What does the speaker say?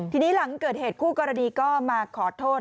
ทีนี้หลังเกิดเหตุคู่กรณีก็มาขอโทษ